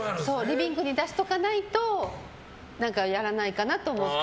リビングに出しておかないとやらないかなと思って。